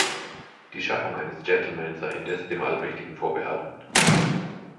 Die Schaffung eines Gentleman sei indes dem Allmächtigen vorbehalten.